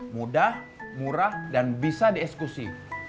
mudah murah dan bisa di eksekusi